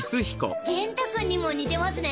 元太君にも似てますね！